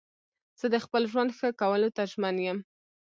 زه د خپل ژوند ښه کولو ته ژمن یم.